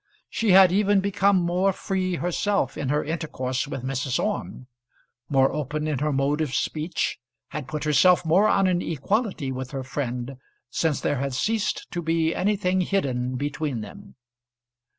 She had even become more free herself in her intercourse with Mrs. Orme, more open in her mode of speech, had put herself more on an equality with her friend, since there had ceased to be anything hidden between them.